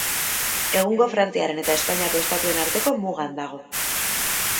Egungo Frantziaren eta Espainiako Estatuen arteko mugan dago.